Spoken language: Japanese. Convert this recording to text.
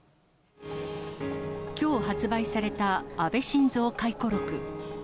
きょう発売された安倍晋三回顧録。